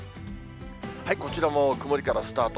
こちらも曇りからスタート。